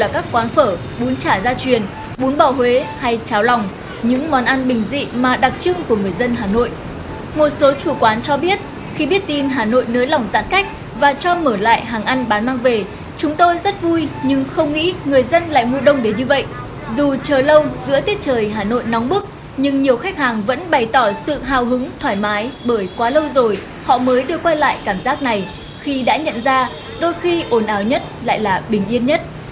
các bạn hãy đăng ký kênh để ủng hộ kênh của chúng mình nhé